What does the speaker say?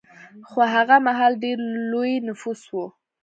خو هغه مهال ډېر لوی نفوس و